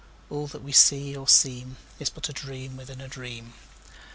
All that we see or seem Is but a dream within a dream.